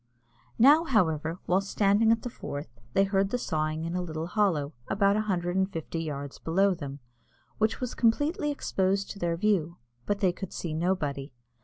Now, however, while standing on the Forth, they heard the sawing in a little hollow, about a hundred and fifty yards below them, which was completely exposed to their view, but they could see nobody.